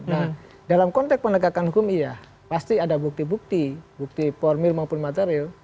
nah dalam konteks penegakan hukum iya pasti ada bukti bukti bukti formil maupun material